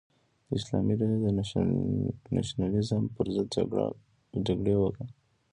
د اسلامي ډلې د نشنلیزم پر ضد جګړه کړې وه.